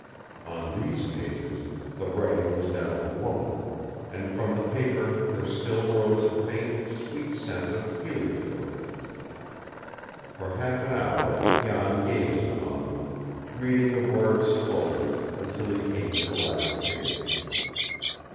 On these pages the writing was that of a woman, and from the paper there still rose a faint, sweet scent of heliotrope. For half an hour Jan gazed upon them, reading the words slowly, until he came to the last page.